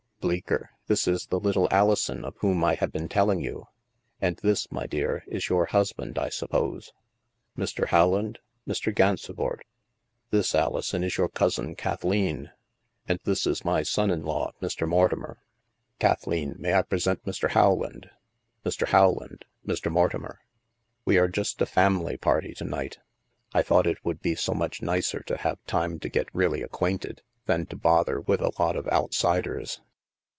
Bleecker, this is the * little Alison * of whom I have been tell ing you. And this, my dear, is your husband, I suppose? Mr. Rowland, Mr. Gansevoort. This, Alison, is your cousin Kathleen, and this is my son in law, Mr. Mortimer. Kathleen, may I present Mr. Rowland ? Mr. Rowland, Mr. Mortimer. We are just a family party to night. I thought it would be so much nicer to have time to get really acquainted, than to bother with a lot of outsiders."